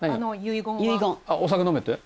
「お酒飲め」って？